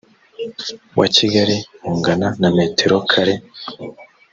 wa kigali bungana na metero kare